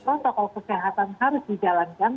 protokol kesehatan harus dijalankan